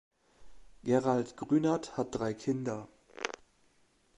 Gerald Grünert hat drei Kinder.